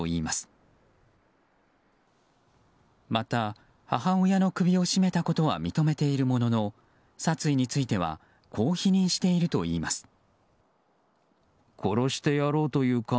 また、母親の首を絞めたことは認めているものの殺意についてはこう否認しているといいます。